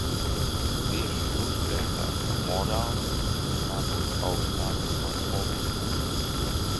Tieši jūs teicāt, ka morāle jums vienmēr būs augstāka par politiku.